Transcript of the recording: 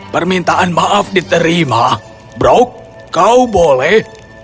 permintaan maaf diterima brok kau boleh